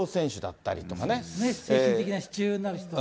精神的な支柱になる人。